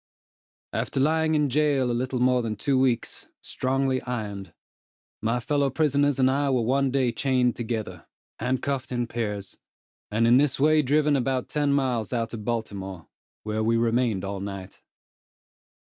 After lying in jail a little more than two weeks, strongly ironed, my fellow prisoners and I were one day chained together, handcuffed in pairs, and in this way driven about ten miles out of Baltimore, where we remained all night.